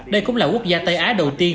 đây cũng là quốc gia tây á đầu tiên